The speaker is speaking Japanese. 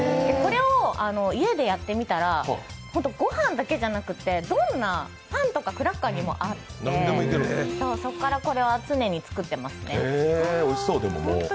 これを家でやってみたら、御飯だけじゃなくてどんなパンとかクラッカーにも合って、そこからこれは常に作ってますね。